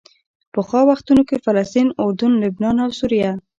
پخوا وختونو کې فلسطین، اردن، لبنان او سوریه.